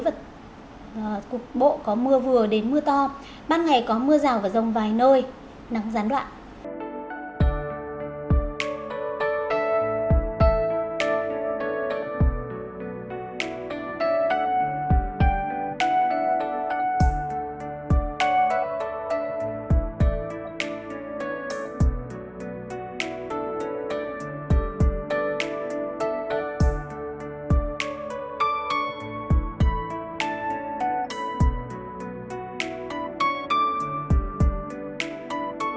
vật cục bộ có mưa vừa đến mưa to ban ngày có mưa rào và rông vài nơi nắng gián đoạn